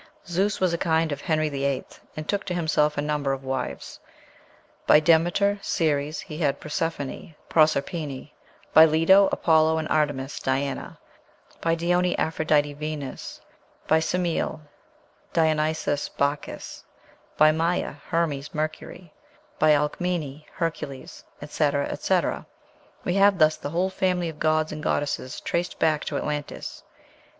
Zeus was a kind of Henry VIII., and took to himself a number of wives. By Demeter (Ceres) he had Persephone (Proserpine); by Leto, Apollo and Artemis (Diana); by Dione, Aphrodite (Venus); by Semele, Dionysos (Bacchus); by Maia, Hermes (Mercury); by Alkmene, Hercules, etc., etc. We have thus the whole family of gods and goddesses traced back to Atlantis.